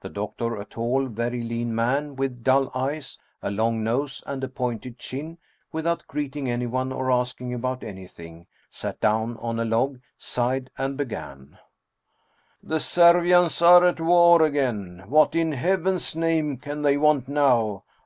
The doc tor, a tall, very lean man, with dull eyes, a long nose, and a pointed chin, without greeting anyone or asking about anything, sat down on a log, sighed, and began :" The Servians are at war again ! What in heaven's name can they want now